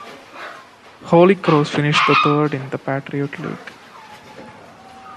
Holy Cross finished third in the Patriot League.